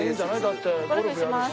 だってゴルフやるし。